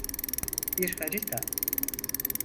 Bir harita.